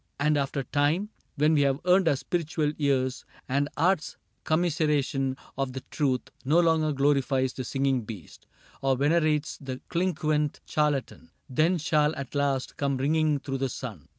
And after time, CAPTAIN CRAIG 9 When we have earned our spiritual ears, And art's commiseration of the truth No longer glorifies the singing beast, Or venerates the clinquant charlatan, — Then shall at last come ringing through the sun.